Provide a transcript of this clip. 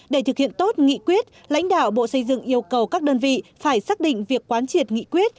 để thực hiện tốt nghị quyết lãnh đạo bộ xây dựng yêu cầu các đơn vị phải xác định việc quán triệt nghị quyết